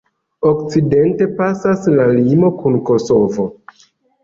Okcidente pasas la limo kun Kosovo.